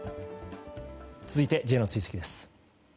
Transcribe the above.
続いてＪの追跡です。